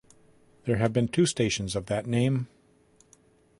There have been two stations of that name.